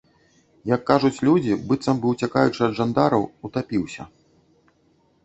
Як кажуць людзі, быццам бы, уцякаючы ад жандараў, утапіўся!